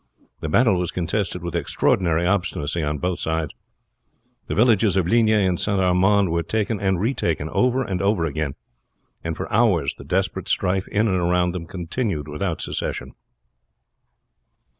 The battle was contested with extraordinary obstinacy on both sides. The villages of Ligny and St. Armand were taken and retaken over and over again, and for hours the desperate strife in and around them continued without cessation.